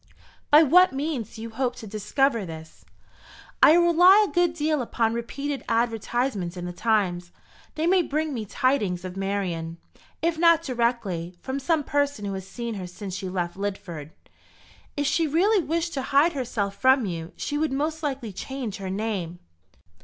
"By what means do you hope to discover this?" "I rely a good deal upon repeated advertisements in the Times. They may bring me tidings of Marian if not directly, from some person who has seen her since she left Lidford." "If she really wished to hide herself from you, she would most likely change her name."